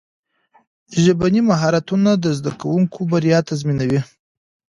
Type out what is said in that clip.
ژبني مهارتونه د زدهکوونکو بریا تضمینوي.